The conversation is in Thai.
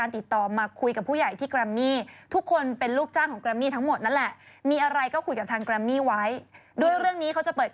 เธอรู้ไหมอีทูปนี่นะมีคนเข้าไปดูร้านเจ็ด